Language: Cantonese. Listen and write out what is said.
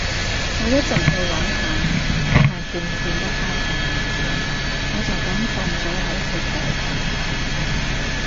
我一陣去搵下，睇下見唔見得返份文件，我就噉放咗喺佢枱頭